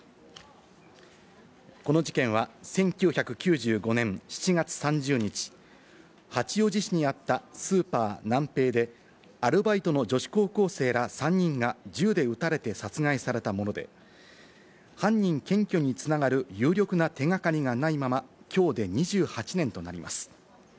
この事件は１９９５年７月３０日、八王子市にあったスーパーナンペイでアルバイトの女子高校生ら３人が銃で撃たれて殺害されたもので、犯人検挙に繋がる有力な手掛かりがないまま、きょうで２８年となります。